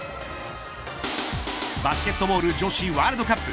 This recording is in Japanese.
バスケットボール女子ワールドカップ。